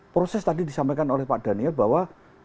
proses tadi disampaikan oleh pak daniel bahwa